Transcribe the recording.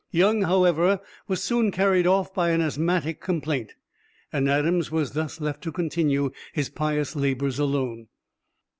Young, however, was soon carried off by an asthmatic complaint, and Adams was thus left to continue his pious labors alone.